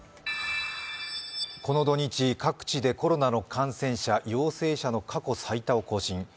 この土日、各地でコロナの感染者陽性者の過去最多を更新。